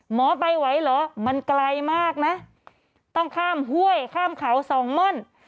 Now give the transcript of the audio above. หมอไปไหวเหรอมันไกลมากนะต้องข้ามห้วยข้ามเขาสองม่อน